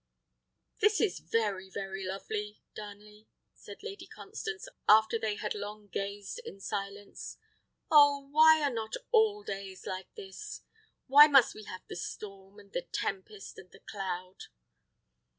"This is very, very lovely, Darnley," said Lady Constance, after they had long gazed in silence. "Oh, why are not all days like this! Why must we have the storm, and the tempest, and the cloud!"